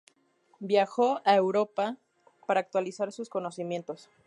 Viajó a Europa para actualizar sus conocimientos.